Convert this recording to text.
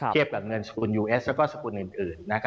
เทียบกับเงินสกุลยูเอสและสกุลอื่น